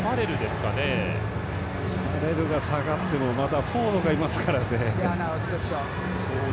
ファレルが下がってもフォードがいますからね。